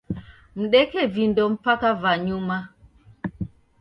Mdeke vindo mpaka va nyuma.